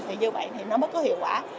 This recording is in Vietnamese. thì như vậy thì nó mới có hiệu quả